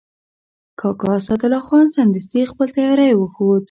کاکا اسدالله خان سمدستي خپل تیاری وښود.